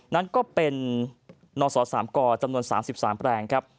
นั้นก็เป็นนศ๓กจำนวน๓๓แปลงครับ